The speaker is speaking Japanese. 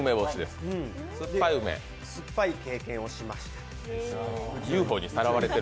「すっぱい経験をしました」って。